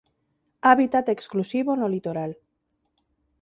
Hábitat exclusivo no litoral.